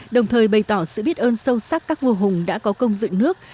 đồng thời bày tỏ sự biết ơn sâu sắc các vua hùng đã có công dựng nước